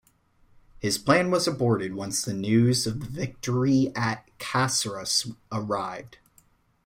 His plan was aborted once the news of the victory at Caseros arrived.